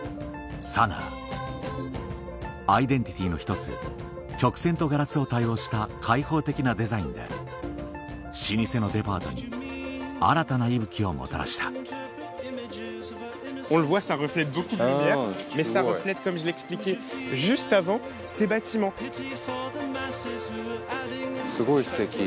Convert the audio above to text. ＳＡＮＡＡアイデンティティーの１つ曲線とガラスを多用した開放的なデザインで老舗のデパートに新たな息吹をもたらしたすごい。